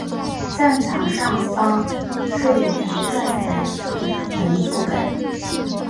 站场上方设有无站台柱雨棚覆盖。